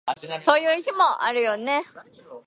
そういう日もあるよね